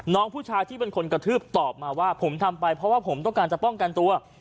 น้องผู้ชายที่เป็นคนกระทืบตอบมาว่าผมทำไปเพราะว่าผมต้องการจะป้องกันตัว